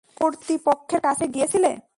তুমি কতৃপক্ষের কাছে গিয়েছিলে?